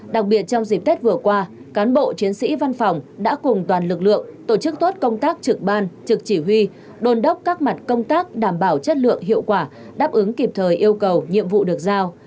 đặc biệt trong dịp tết vừa qua cán bộ chiến sĩ văn phòng đã cùng toàn lực lượng tổ chức tốt công tác trực ban trực chỉ huy đồn đốc các mặt công tác đảm bảo chất lượng hiệu quả đáp ứng kịp thời yêu cầu nhiệm vụ được giao